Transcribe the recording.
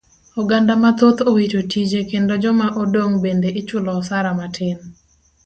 Oganda mathoth owito tije kendo joma odong' bende ichulo osara matin.